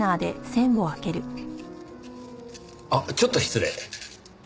あっちょっと失礼。